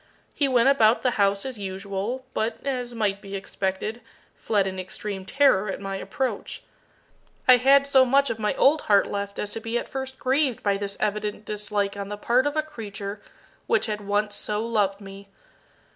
He went about the house as usual, but, as might be expected, fled in extreme terror at my approach. I had so much of my old heart left as to be at first grieved by this evident dislike on the part of a creature which had once so loved me.